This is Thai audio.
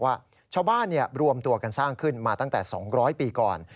ว่าชาวบ้านรวมตัวกันสร้างขึ้นมาตั้งแต่๒๐๐ปีก่อน